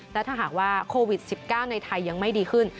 และถ้าหากว่าโควิด๑๙ในไทยยังไม่ดีขึ้น